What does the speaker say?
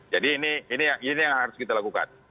jadi ini yang harus kita lakukan